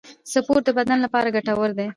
سپورت د بدن لپاره ګټور دی